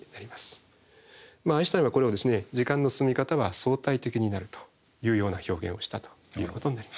アインシュタインはこれを「時間の進み方は相対的になる」というような表現をしたということになります。